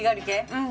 うん。